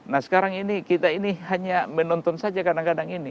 nah sekarang ini kita ini hanya menonton saja kadang kadang ini